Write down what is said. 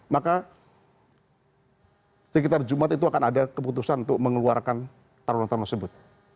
maka sekitar jumat itu akan ada keputusan untuk mengeluarkan taruna taruna tersebut